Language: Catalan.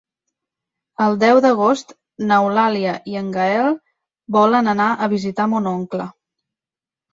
El deu d'agost n'Eulàlia i en Gaël volen anar a visitar mon oncle.